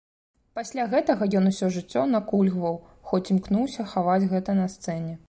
Пасля гэтага ён усё жыццё накульгваў, хоць імкнуўся хаваць гэта на сцэне.